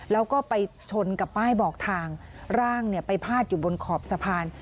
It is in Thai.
แล้วก็ไปชนกับป้ายบอกทางร่างไปพาดอยู่บนขอบสะพาน